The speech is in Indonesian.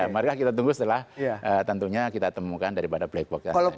maka kita tunggu setelah tentunya kita temukan daripada black box